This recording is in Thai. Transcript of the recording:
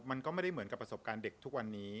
มันก็ไม่ได้เหมือนกับประสบการณ์เด็กทุกวันนี้